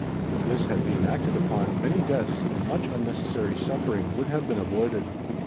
If this had been acted upon many deaths and much unnecessary suffering would have been avoided.